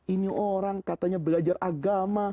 ini orang katanya belajar agama